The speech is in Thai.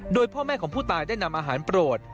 โดยพ่อแม่ของผู้ตายได้นำอาหารโปรด